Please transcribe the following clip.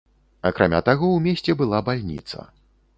Акрамя таго, у месце была бальніца.